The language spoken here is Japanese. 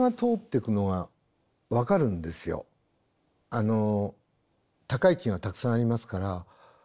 あの高い木がたくさんありますからあっ